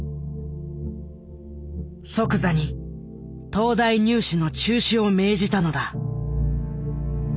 即座に東大入試の中止を命じたのだ。